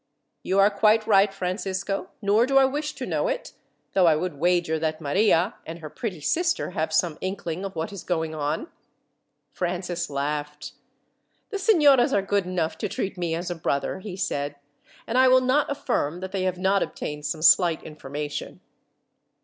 "You are quite right, Francisco; nor do I wish to know it, though I would wager that Maria, and her pretty sister, have some inkling of what is going on." Francis laughed. "The signoras are good enough to treat me as a brother," he said, "and I will not affirm that they have not obtained some slight information."